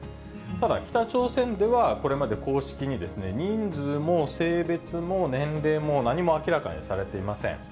ただ、北朝鮮では、これまで公式に人数も性別も年齢も何も明らかにされていません。